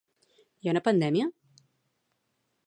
Hi ha una pandèmia?